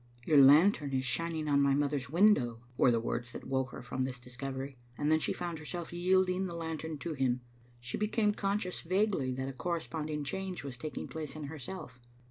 "Your lantern is shining on my mother's window," were the words that woke her from this discovery, and then she found herself yielding the lantern to him. She became conscious vaguely that a corresponding change was taking place in herself.